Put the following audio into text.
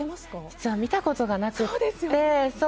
実は見たことがなくて。